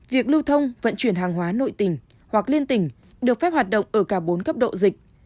việc lưu thông vận chuyển hàng hóa nội tỉnh hoặc liên tỉnh được phép hoạt động ở cả bốn cấp độ dịch